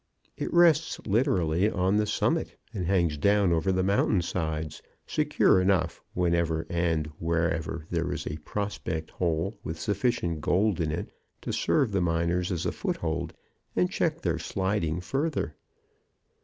It rests literally on the summit and hangs down over the mountain sides secure enough whenever and wherever there is a prospect hole with sufficient gold in it to serve the miners a foothold and check their sliding further.